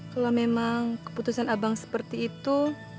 kalau memang keputusan abang seperti itu